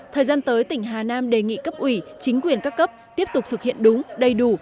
thời gian tới tỉnh hà nam đề nghị cấp ủy chính quyền các cấp tiếp tục thực hiện đúng đầy đủ